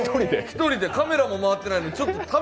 １人で、カメラも回っていないのに。